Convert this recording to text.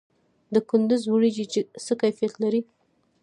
د کندز وریجې څه کیفیت لري؟